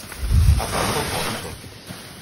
A tal proposito